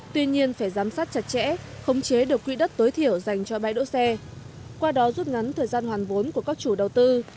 tuy nhiên phải giám sát chặt chẽ khống chế được quỹ đất tối thiểu dành cho bãi đỗ xe qua đó rút ngắn thời gian hoàn vốn của các chủ đầu tư